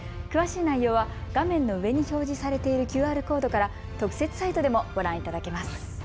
詳しい内容は画面の上に表示されているＱＲコードから特設サイトでもご覧いただけます。